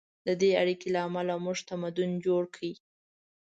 د دې اړیکې له امله موږ تمدن جوړ کړ.